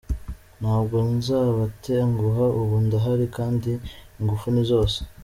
Ntabwo nzabatenguha ubu ndahari kandi ingufu ni zose”.